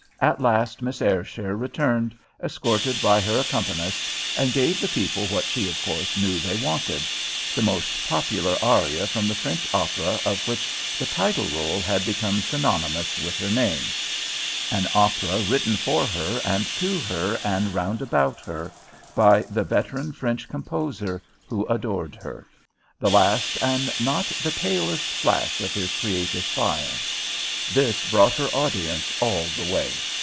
At last Miss Ayrshire returned, escorted by her accompanist, and gave the people what she of course knew they wanted: the most popular aria from the French opera of which the title rôle had become synonymous with her name an opera written for her and to her and round about her, by the veteran French composer who adored her, the last and not the palest flash of his creative fire. This brought her audience all the way.